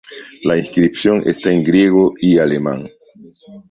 La inscripción está en griego y alemán.